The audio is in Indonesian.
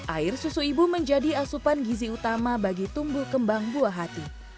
air susu ibu menjadi asupan gizi utama bagi tumbuh kembang buah hati